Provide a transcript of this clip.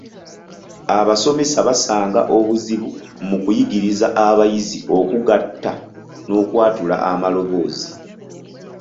Abasomesa basanga obuzibu mu kuyigiriza abayizi okugatta n’okwatula amaloboozi.